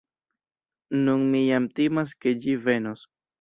Nun mi jam timas ke ĝi venos.